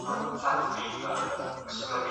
سپورت معنوي او جسماني ګټې لري.